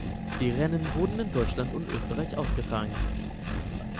Die Rennen wurden in Deutschland und Österreich ausgetragen.